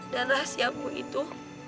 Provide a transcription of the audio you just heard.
dan rahasiaku itu